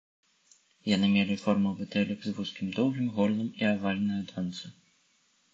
Яны мелі форму бутэлек з вузкім доўгім горлам і авальнае донца.